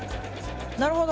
なるほど。